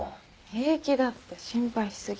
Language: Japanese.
平気だって心配し過ぎ。